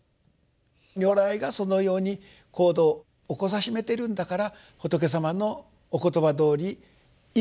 如来がそのように行動を起こさしめているんだから仏様のお言葉どおり「行ッテ」